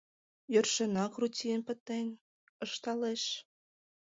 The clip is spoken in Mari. — Йӧршынак рутиен пытен, — ышталеш.